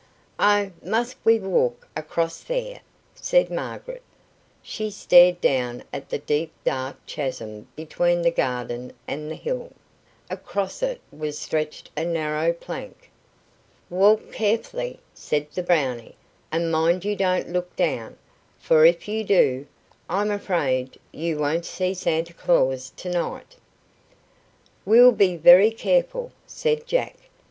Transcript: "Oh, must we walk across there?" said Margaret. She stared down at the deep dark chasm between the garden and the hill; across it was stretched a narrow plank. "Walk carefully," said the Brownie, "and mind you don't look down; for if you do, I'm afraid you won't see Santa Claus to night." "We'll be very careful," said Jack.